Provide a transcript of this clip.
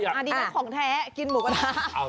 อันนี้ฉันของแท้กินหมูกระทะ